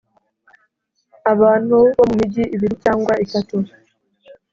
abantu bo mu migi ibiri cyangwa itatu